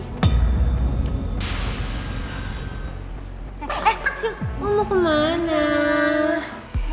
sil lo mau kemana